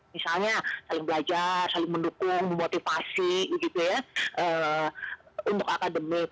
misalnya saling belajar saling mendukung memotivasi gitu ya untuk akademik